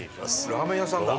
ラーメン屋さんだ。